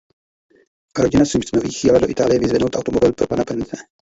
Rodina Simpsonových jela do Itálie vyzvednout automobil pro pana Burnse.